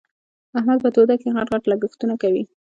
احمد په توده کې؛ غټ غټ لګښتونه کوي.